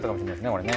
これね。